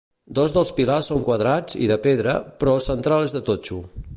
Dos dels pilars són quadrats i de pedra però el central és de totxo.